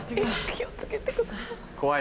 気を付けてください。